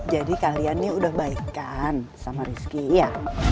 jadi kalian nih udah baik kan sama rizky ya